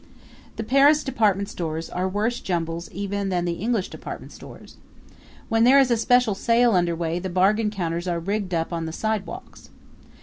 The Paris department stores are worse jumbles even than the English department stores. When there is a special sale under way the bargain counters are rigged up on the sidewalks.